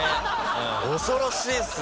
恐ろしいっす。